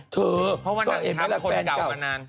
เธอนางมากแฟนเก่า